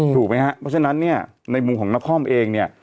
ถูกไหมครับเพราะฉะนั้นเนี่ยในมุมของนครเองเนี่ย